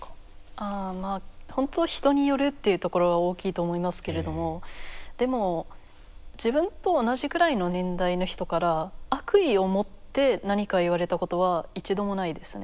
ああまあほんとうは人によるっていうところは大きいと思いますけれどもでも自分と同じぐらいの年代の人から悪意をもって何か言われたことは一度もないですね。